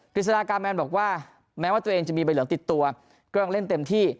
ฤษฎากาแมนบอกว่าแม้ว่าตัวเองจะมีใบเหลืองติดตัวก็ยังเล่นเต็มที่